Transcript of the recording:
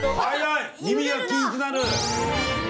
耳がキンとなる！